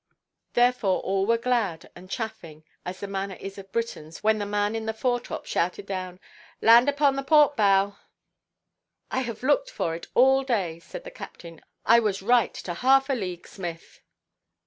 Therefore all were glad and chaffing, as the manner is of Britons, when the man in the foretop shouted down, "Land upon the port–bow." "I have looked for it all day," said the captain; "I was right to half a league, Smith."